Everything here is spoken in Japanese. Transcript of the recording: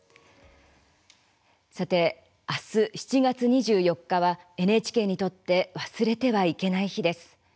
さて、明日７月２４日はＮＨＫにとって忘れてはいけない日です。